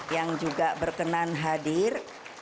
yang juga berkenan hadir